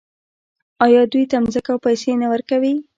آیا دوی ته ځمکه او پیسې نه ورکوي؟